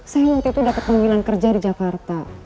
saya waktu itu dapet pembinaan kerja di jakarta